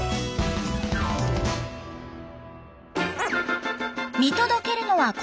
見届けるのはこの２人。